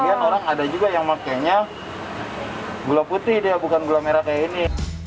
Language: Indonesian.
sebagian orang ada juga yang makanya gula putih deh bukan gula merah kayak ini